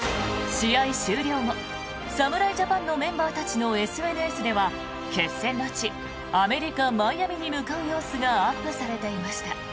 試合終了後、侍ジャパンのメンバーたちのＳＮＳでは決戦の地アメリカ・マイアミに向かう様子がアップされていました。